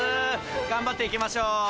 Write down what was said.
頑張っていきましょう。